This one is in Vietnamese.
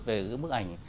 về bức ảnh